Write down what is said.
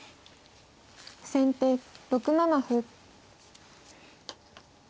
先手６七歩。